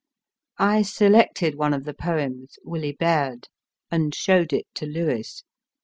I selected one of the poems, Willie Baird/ and showed it to Lewes.